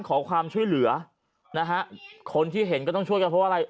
ขอความช่วยเหลือนะฮะคนที่เห็นก็ต้องช่วยกันเพราะว่าอะไร